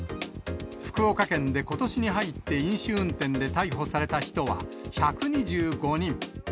福岡県でことしに入って飲酒運転で逮捕された人は、１２５人。